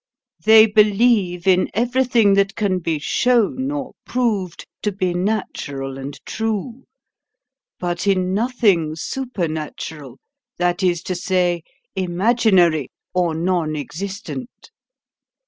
They believe in everything that can be shown or proved to be natural and true; but in nothing supernatural, that is to say, imaginary or non existent.